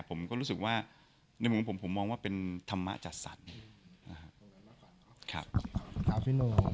ผมก็รู้สึกว่าในจุดที่ผมมองว่าเป็นธรรมะจักษณ์